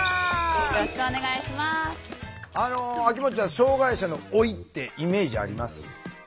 あの秋元ちゃん障害者の老いってイメージあります？